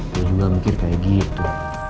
gue juga mikir kayak gitu